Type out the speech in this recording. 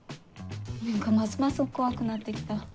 何かますます怖くなって来た。